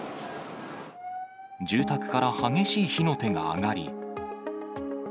住宅から激しい火の手が上がり。